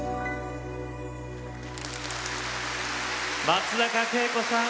松坂慶子さん